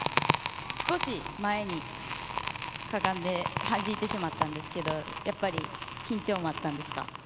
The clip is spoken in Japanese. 少し前にかがんではじいてしまったんですがやっぱり緊張もあったんですか？